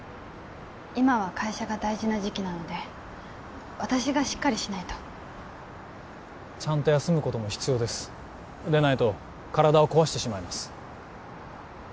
今は会社が大事な時期なので私がしっかりしないとちゃんと休むことも必要ですでないと体を壊してしまいます